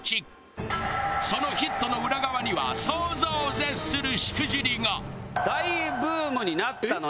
そのヒットの裏側には想像を絶するしくじりが。